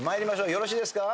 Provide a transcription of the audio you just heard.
よろしいですか？